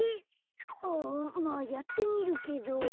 うんまあやってみるけど。